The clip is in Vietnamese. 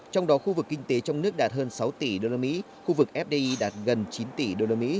trong đó khu vực kinh tế trong nước đạt hơn sáu tỷ usd khu vực fdi đạt gần chín tỷ usd